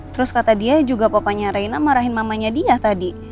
terus kata dia juga papanya reina marahin mamanya dia tadi